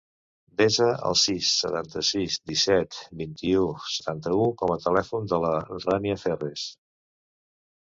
Desa el sis, setanta-sis, disset, vint-i-u, setanta-u com a telèfon de la Rània Ferres.